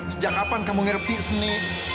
sejak kapan kamu ngerti sini